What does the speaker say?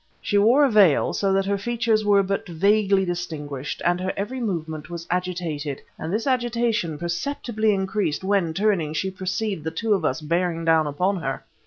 She wore a veil, so that her features were but vaguely distinguished, but her every movement was agitated; and this agitation perceptibly increased when, turning, she perceived the two of us bearing down upon her.